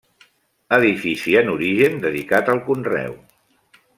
Edifici en origen dedicat al conreu.